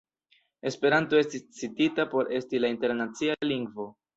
Esperanto estis citita por esti la internacia lingvo.